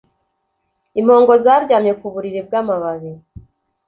Impongo zaryamye ku buriri bwamababi